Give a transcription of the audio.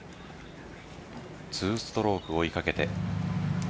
２ストローク追いかけて。